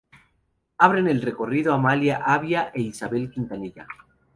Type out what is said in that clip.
Abren el recorrido Amalia Avia e Isabel Quintanilla.